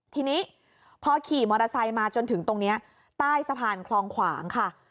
ทีนี้พอขี่มอเตอร์ไซค์มาจนถึงตรงนี้ใต้สะพานคลองขวางค่ะ